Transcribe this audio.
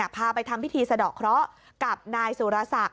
พาไปทำพิธีสะดอกเคราะห์กับนายสุรศักดิ